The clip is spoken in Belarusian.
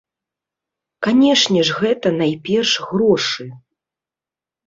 Канешне ж гэта, найперш, грошы.